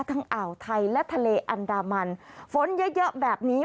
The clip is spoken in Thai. อ่าวไทยและทะเลอันดามันฝนเยอะเยอะแบบนี้